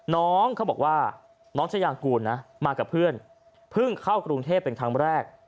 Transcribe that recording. น้องเขาบอกว่าน้องชายางกูลนะมากับเพื่อนเพิ่งเข้ากรุงเทพเป็นครั้งแรก